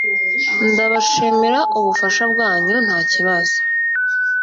Ndabashimira ubufasha bwanyu." "Nta kibazo."